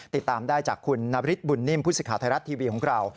ติดตามได้จากคุณนบริษฐ์บุญนิมพูดสิทธิ์ขาวไทยรัฐทีวีของเรา